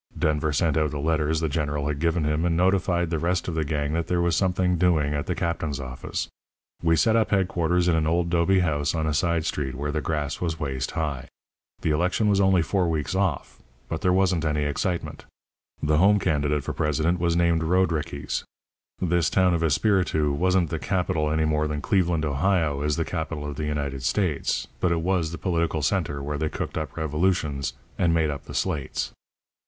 Denver sent out the letters the General had given him, and notified the rest of the gang that there was something doing at the captain's office. We set up headquarters in an old 'dobe house on a side street where the grass was waist high. The election was only four weeks off; but there wasn't any excitement. The home candidate for president was named Roadrickeys. This town of Esperitu wasn't the capital any more than Cleveland, Ohio, is the capital of the United States, but it was the political centre where they cooked up revolutions, and made up the slates.